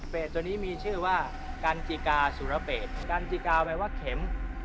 ตัวนี้มีชื่อว่ากันจิกาสุรเปศกันจิกาแปลว่าเข็ม